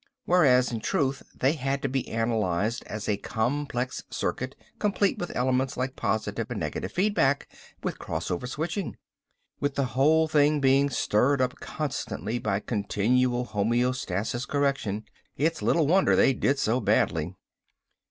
Whereas in truth they had to be analyzed as a complex circuit complete with elements like positive and negative feedback, and crossover switching. With the whole thing being stirred up constantly by continual homeostasis correction. It's little wonder they did do badly."